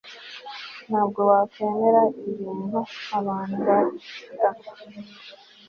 Ntabwo wakwemera ibintu abantu bata